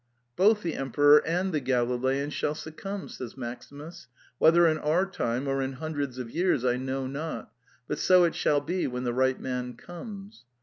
" Both the emperor and the Galilean shall suc cumb," says Maximus. " Whether in our time or in hundreds of years I know not; but so it shall be when the right man comes."